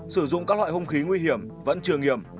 sử dụng các loại hung khí nguy hiểm vẫn trường nghiệm